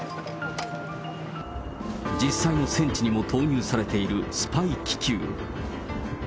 実際の戦地にも投入されているスパイ気球。